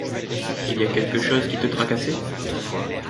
Il y a quelque chose qui te tracassait?